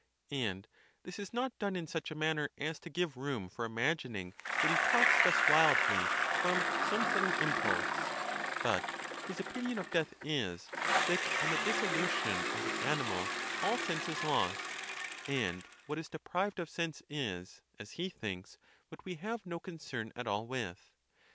And this is not done in such a manner as to give room for imagining that he talks thus wildly from some sudden impulse; but his opinion of death is, that on the dissolution of the ani mal all sense is lost; and what is deprived of sense is, as he thinks, what we have no concern at all with.